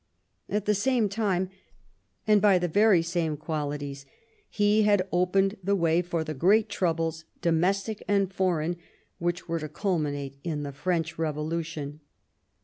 At the same time and by the very same qualities he had opened the way for the great troubles, domestic and foreign, which were to culminate in the French Revolution.